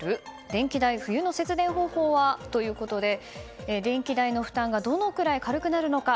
電気代、冬の節電方法はということで電気代の負担がどのくらい軽くなるのか。